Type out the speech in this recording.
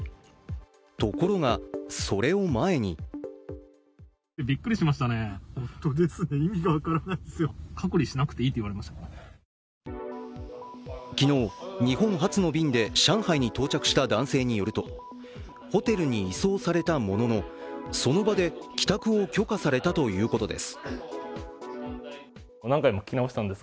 ところが、それを前に昨日、日本発の便で上海に到着された男性によるとホテルに移送されたものの、その場で帰宅を許可されたということです。